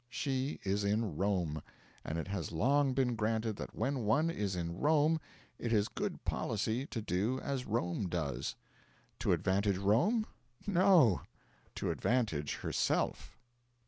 She is in Rome; and it has long been granted that when one is in Rome it is good policy to do as Rome does. To advantage Rome? No to advantage herself.